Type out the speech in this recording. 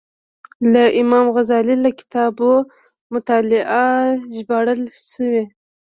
له امام غزالي له کتابو مطالب ژباړل شوي.